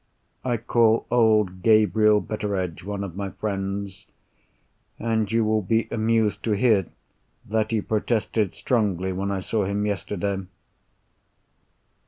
I call old Gabriel Betteredge one of my friends; and you will be amused to hear that he protested strongly when I saw him yesterday.